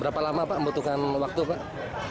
berapa lama pak membutuhkan waktu pak